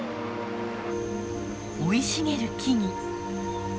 生い茂る木々。